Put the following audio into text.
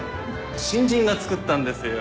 新人が作ったんですよ。